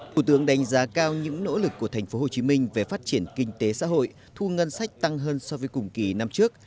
thủ tướng đánh giá cao những nỗ lực của tp hcm về phát triển kinh tế xã hội thu ngân sách tăng hơn so với cùng kỳ năm trước